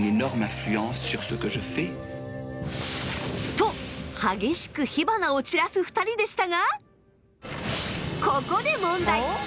と激しく火花を散らす２人でしたがここで問題！